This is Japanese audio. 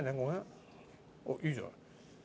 いいじゃない。